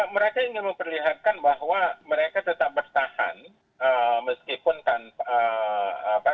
mereka ingin memperlihatkan bahwa mereka tetap bertahan meskipun tanpa